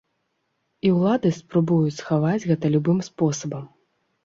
І ўлады спрабуюць схаваць гэта любым спосабам.